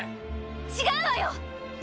違うわよ！